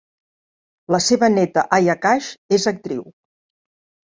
La seva neta Aya Cash és actriu.